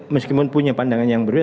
meskipun punya pandangan yang berbeda